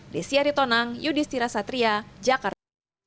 desyari tonang yudhistira satria jakarta